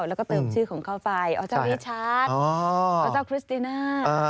แล้วก็เติมชื่อของเข้าไปอวิชัตอคริสติน่า